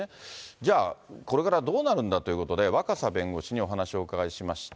じゃあ、これからどうなるんだということで、若狭弁護士にお話を伺いました。